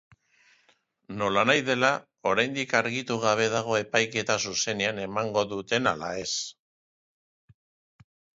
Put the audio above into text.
Nolanahi dela, oraindik argitu gabe dago epaiketa zuzenean emango duten ala ez.